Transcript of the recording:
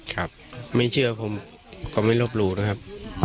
ครับไม่เชื่อผมก็ไม่ลบหลู่นะครับ